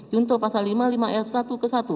junto pasal lima puluh lima ayat satu ke satu